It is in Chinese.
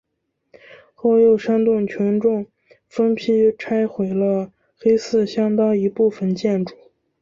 后又煽动群众分批拆毁了黑寺相当一部分建筑。